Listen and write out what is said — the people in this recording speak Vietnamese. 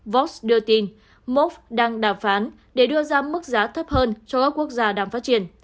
vost đưa tin mof đang đàm phán để đưa ra mức giá thấp hơn cho các quốc gia đang phát triển